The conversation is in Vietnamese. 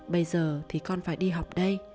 bây giờ thì con phải đi học đây